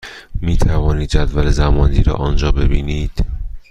می توانید جدول زمانی را آنجا ببینید.